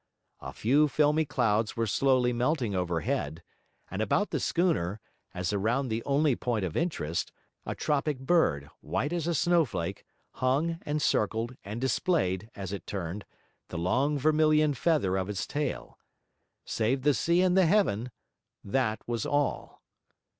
A few filmy clouds were slowly melting overhead; and about the schooner, as around the only point of interest, a tropic bird, white as a snowflake, hung, and circled, and displayed, as it turned, the long vermilion feather of its tall. Save the sea and the heaven, that was all.